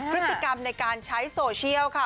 พฤติกรรมในการใช้โซเชียลค่ะ